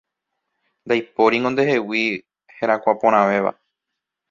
Ndaipóringo ndehegui herakuãporãvéva